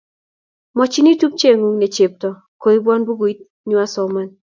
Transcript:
Mwochin tupcheng'ung' ne chepto koibwon bukuit nyu asoman